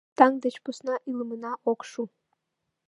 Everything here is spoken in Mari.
Таҥ деч посна илымына ок шу